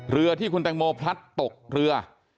เรือที่คุณแตงโมพลัดตกเรือ